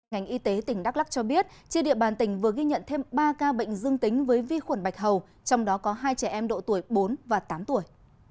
ngành y tế tỉnh đắk lắc cho biết trên địa bàn tỉnh vừa ghi nhận thêm ba ca bệnh dương tính với vi khuẩn bạch hầu trong đó có hai trẻ em độ tuổi bốn và tám tuổi